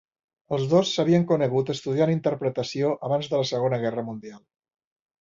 Els dos s'havien conegut estudiant interpretació abans de la Segona Guerra Mundial.